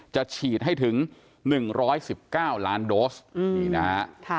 จะฉีดให้ถึง๑๑๙ล้านโดสนี่นะฮะ